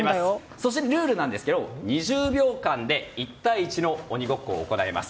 そして、ルールなんですが２０秒間で１対１の鬼ごっこを行います。